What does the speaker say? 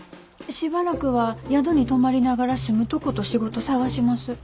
しばらくは宿に泊まりながら住むとこと仕事探します。